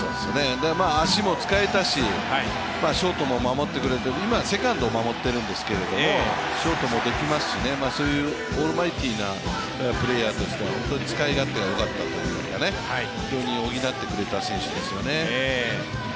足も使えたし、ショートも守ってくれて今、セカンドを守っているんですけども、ショートもできますし、そういうオールマイティーなプレーヤーとしては、本当に使い勝手がよかったというか非常に補ってくれた選手ですよね。